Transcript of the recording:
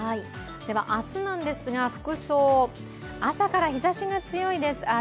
明日なんですが、服装、朝から日ざしが強いです。